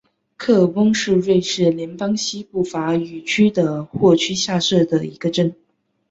科尔翁是瑞士联邦西部法语区的沃州下设的一个镇。